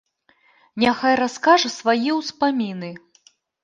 Няхай раскажа свае ўспаміны.